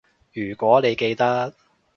如果你記得